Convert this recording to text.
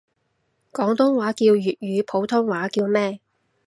廣東話叫粵語，普通話叫咩？